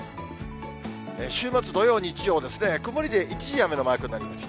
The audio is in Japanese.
週末土曜、日曜ですね、曇りで一時雨のマークになりました。